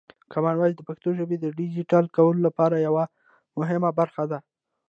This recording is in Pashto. کامن وایس د پښتو ژبې د ډیجیټل کولو لپاره یوه مهمه برخه ده.